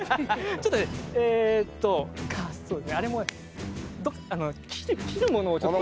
ちょっとえっと切るものをちょっと。